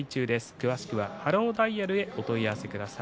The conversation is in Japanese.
詳しくはハローダイヤルへお問い合わせください。